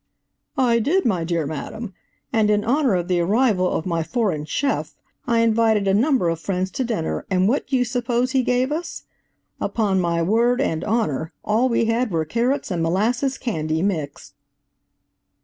"I did, my dear madam, and in honor of the arrival of my foreign chef, I invited a number of friends to dinner and what do you suppose he gave us? Upon my word and honor, all we had were carrots and molasses candy mixed!"